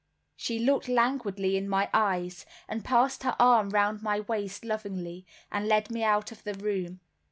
She looked languidly in my eyes, and passed her arm round my waist lovingly, and led me out of the room.